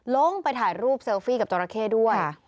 ลงไปถ่ายรูปเซลฟี่กับจราเข้ด้วย